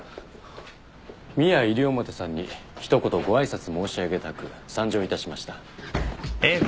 ミア西表さんに一言ご挨拶申し上げたく参上いたしました。